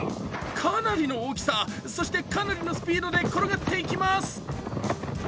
かなりの大きさ、そしてかなりのスピードで転がっていきます。